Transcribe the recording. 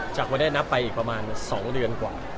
จากวันนี้นับไปอีกประมาณ๒เดือนกว่า